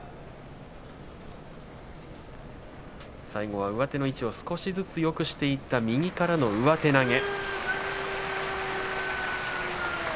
最後は上手の位置を少しずつよくしていった上手投げ。